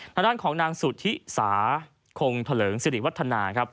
ทางด้านของนางสุธิสาคงเถลิงสิริวัฒนาครับ